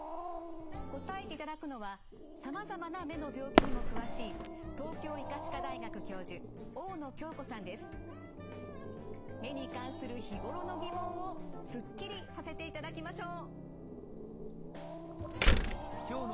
答えていただくのはさまざまな目の病気にも詳しい目に関する日頃の疑問をすっきりさせていただきましょう。